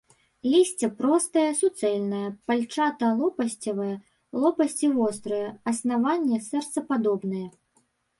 Лісце простае, суцэльнае, пальчата-лопасцевае, лопасці вострыя, аснаванне сэрцападобнае.